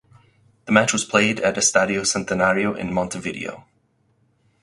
The match was played at Estadio Centenario in Montevideo.